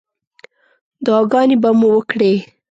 دعاګانې به مو وکړې.